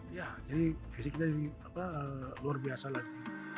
iya jadi fisiknya jadi luar biasa lagi